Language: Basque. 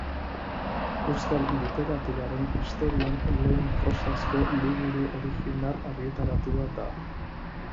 Euskal literaturaren historian lehen prosazko liburu original argitaratua da.